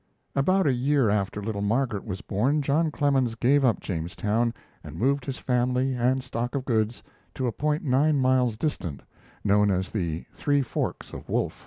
About a year after little Margaret was born, John Clemens gave up Jamestown and moved his family and stock of goods to a point nine miles distant, known as the Three Forks of Wolf.